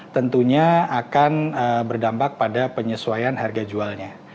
tentunya akan berdampak pada penyesuaian harga jualnya